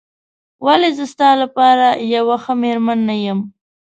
ولې زه ستا لپاره یوه ښه مېرمن نه یم؟